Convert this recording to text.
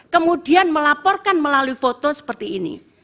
kemudian melaporkan melalui foto seperti ini